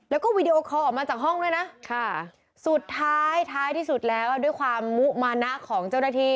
แล้วก็วีดีโอคอลออกมาจากห้องด้วยนะค่ะสุดท้ายท้ายที่สุดแล้วด้วยความมุมานะของเจ้าหน้าที่